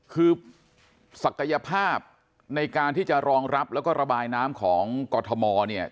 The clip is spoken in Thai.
คือศักยภาพในการที่จะรองรับแล้วก็ระบายน้ำของกรทมเนี่ย